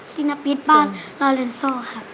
ศีนปิตบ้านลาเรนโซ่ค่ะ